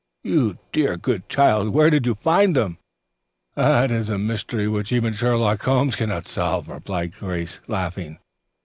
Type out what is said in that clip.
"You dear, good child. Where did you find them?" "That is a mystery which even Sherlock Holmes can never solve," replied Grace, laughing.